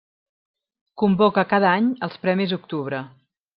Convoca cada any els Premis Octubre.